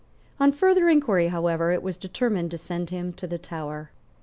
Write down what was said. On further inquiry, however, it was determined to send him to the Tower.